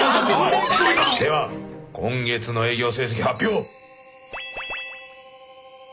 では今月の営業成績発表。